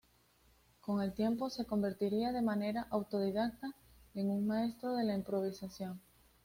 Con el tiempo se convertiría de manera autodidacta en un maestro de la improvisación.